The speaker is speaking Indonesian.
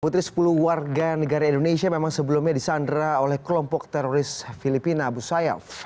putri sepuluh warga negara indonesia memang sebelumnya disandra oleh kelompok teroris filipina abu sayyaf